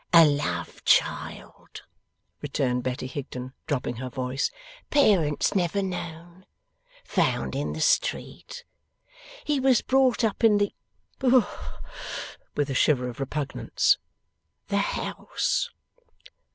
'A love child,' returned Betty Higden, dropping her voice; 'parents never known; found in the street. He was brought up in the ' with a shiver of repugnance, ' the House.